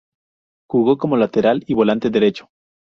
Jugó como lateral y volante derecho.